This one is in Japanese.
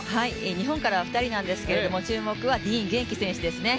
日本からは２人ですが注目はディーン元気選手ですね。